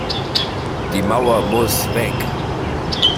Die Mauer muss weg!